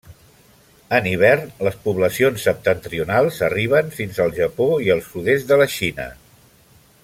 En hivern les poblacions septentrionals arribin fins al Japó i el sud-est de la Xina.